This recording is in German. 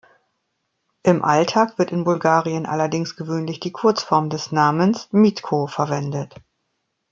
Im Alltag wird in Bulgarien allerdings gewöhnlich die Kurzform des Namens, "Mitko", verwendet.